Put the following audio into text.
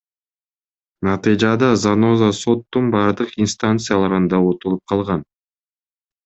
Натыйжада Заноза соттун бардык инстанцияларында утулуп калган.